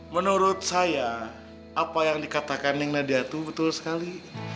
menurut saya apa yang dikatakan neng nadiatu betul sekali